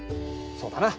そうだな。